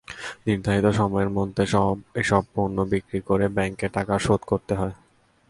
নির্ধারিত সময়ের মধ্যে এসব পণ্য বিক্রি করে ব্যাংকের টাকা শোধ করতে হয়।